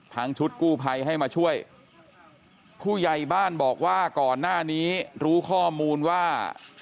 ชุดกู้ภัยให้มาช่วยผู้ใหญ่บ้านบอกว่าก่อนหน้านี้รู้ข้อมูลว่า